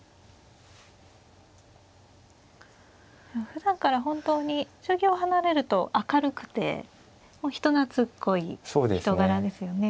ふだんから本当に将棋を離れると明るくて人懐っこい人柄ですよね。